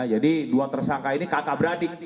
jadi dua tersangka ini kakak beradik